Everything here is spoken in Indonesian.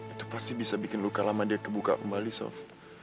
itu pasti bisa bikin luka lama dia kebuka kembali soft